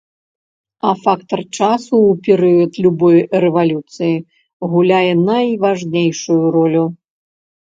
А фактар часу ў перыяд любой рэвалюцыі гуляе найважнейшую ролю.